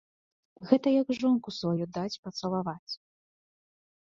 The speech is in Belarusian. Гэта як жонку сваю даць пацалаваць.